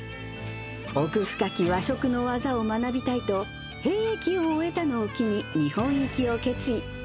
奥深き和食の技を学びたいと、兵役を終えたのを機に、日本行きを決意。